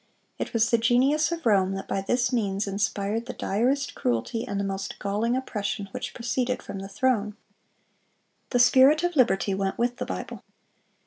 It was the genius of Rome that by this means inspired the direst cruelty and the most galling oppression which proceeded from the throne. The spirit of liberty went with the Bible.